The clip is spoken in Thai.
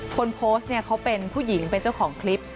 คนโพสต์เนี่ยเขาเป็นผู้หญิงเป็นเจ้าของคลิป